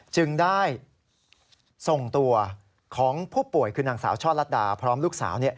จึงได้ส่งตัวของผู้ป่วยคือนางสาวช่อลัดดาพร้อมลูกสาว